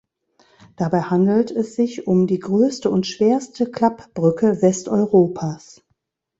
Dabei handelt es sich um die größte und schwerste Klappbrücke Westeuropas.